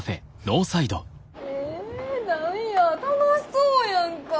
へえ何や楽しそうやんか。